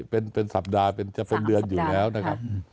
เป็นสัปดาห์เป็นจะเป็นเดือนอยู่แล้วนะครับ